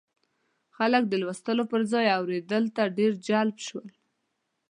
خلک د لوستلو پر ځای اورېدلو ته ډېر جلب شول.